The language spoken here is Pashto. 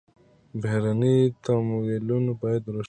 بهرني تمویلونه باید روښانه وي.